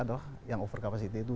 adalah yang over capacity itu